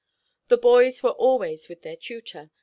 The boys were always with their tutor.